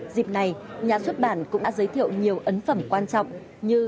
dịp này nhà xuất bản cũng đã giới thiệu nhiều ấn phẩm quan trọng như